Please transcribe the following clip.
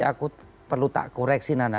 aku perlu tak koreksi nana